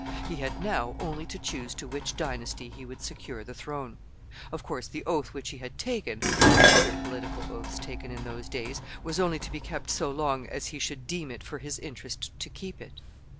He had now only to choose to which dynasty he would secure the throne. Of course, the oath which he had taken, like other political oaths taken in those days, was only to be kept so long as he should deem it for his interest to keep it.